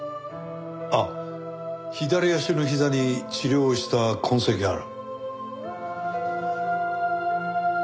あっ左足のひざに治療をした痕跡がある。